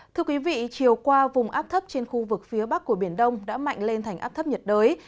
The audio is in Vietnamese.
thưa quý vị chiều qua vùng áp thấp trên khu vực phía bắc của biển đông đã mạnh lên thành áp thấp nhiệt đới